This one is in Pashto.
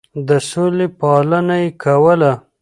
د سولې پالنه يې کوله.